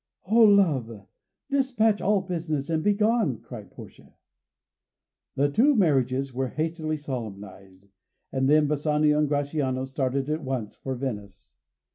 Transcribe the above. "O love, despatch all business and begone!" cried Portia. The two marriages were hastily solemnised, and then Bassanio and Gratiano started at once for Venice.